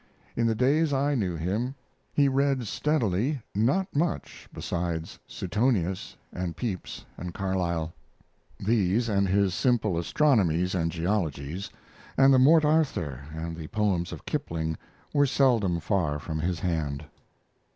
In the days I knew him he read steadily not much besides Suetonius and Pepys and Carlyle. These and his simple astronomies and geologies and the Morte Arthure and the poems of Kipling were seldom far from his hand.